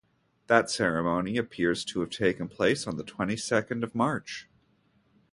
That ceremony appears to have taken place on the twenty-second of March.